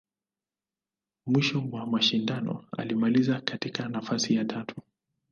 Mwisho wa mashindano, alimaliza katika nafasi ya tatu.